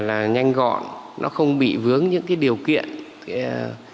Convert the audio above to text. là nhanh gọn nó không bị vướng những cái điều kiện